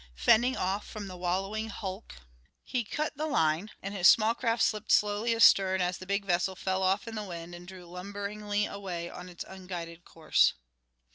Fending off from the wallowing hulk, he cut the line, and his small craft slipped slowly astern as the big vessel fell off in the wind and drew lumberingly away on its unguided course.